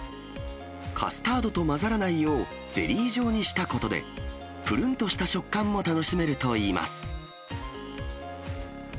カスタードと混ざらないよう、ゼリー状にしたことで、ぷるんとした食感も楽しめるといいます。